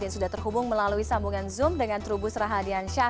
sudah terhubung melalui sambungan zoom dengan trubus rahadian syah